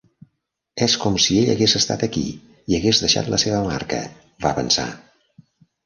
És com si ell hagués estat aquí i hagués deixat la seva marca, va pensar.